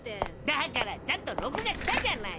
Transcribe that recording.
だからちゃんと録画したじゃない。